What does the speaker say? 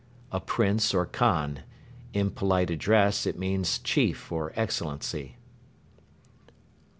A Prince or Khan. In polite address: "Chief," "Excellency."